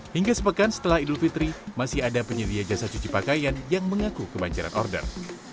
hingga sepekan setelah idul fitri masih ada penyedia jasa cuci pakaian yang mengaku kebanjaran order